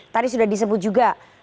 tadi sudah disebut juga